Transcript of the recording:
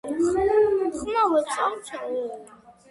საუკუნეების განმავლობაში, ნანის პროვინცია იყო დამოუკიდებელი.